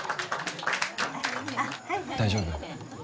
大丈夫？